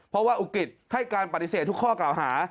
เพราะว่าอุกิตให้การปฏิเสธทุกข้อกล่าวหา